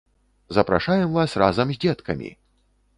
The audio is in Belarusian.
Запрашаем вас разам з дзеткамі!